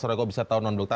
kalau bisa tahu non block